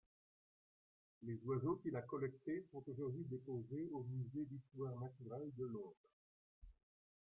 Les oiseaux qu'il a collecté sont aujourd'hui déposés au Musée d'histoire naturelle de Londres.